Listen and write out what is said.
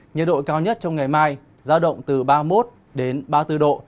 nhiệt độ cao nhất trong ngày mai giao động từ ba mươi một đến ba mươi bốn độ